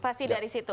pasti dari situ